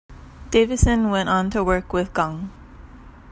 Davison went on to work with Gong.